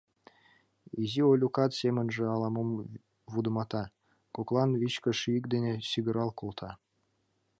Изи Олюкат семынже ала-мом вудымата, коклан вичкыж йӱк дене сигырал колта.